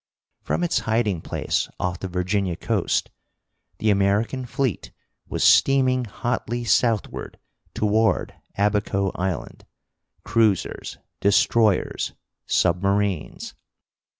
From its hiding place off the Virginia coast the American fleet was steaming hotly southward toward Abaco Island, cruisers, destroyers, submarines.